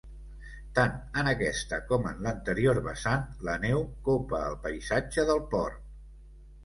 Tant en aquesta com en l'anterior vessant, la neu copa el paisatge del port.